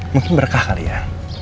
mungkin berkah kali ya